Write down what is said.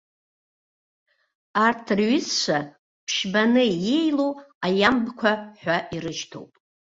Арҭ рҩызцәа ԥшьбаны иеилоу аиамбқәа ҳәа ирышьҭоуп.